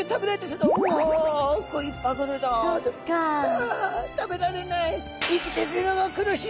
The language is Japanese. ああ食べられない。